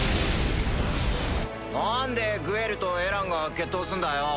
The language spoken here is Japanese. なんでグエルとエランが決闘すんだよ？